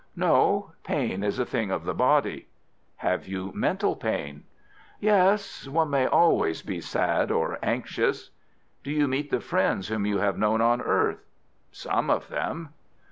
"No; pain is a thing of the body." "Have you mental pain?" "Yes; one may always be sad or anxious." "Do you meet the friends whom you have known on earth?" "Some of them."